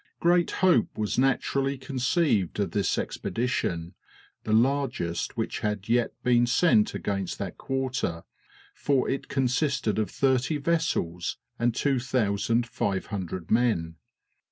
Great hope was naturally conceived of this expedition, the largest which had yet been sent against that quarter, for it consisted of thirty vessels and 2,500 men.